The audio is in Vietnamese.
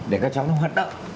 để các cháu nó hoạt động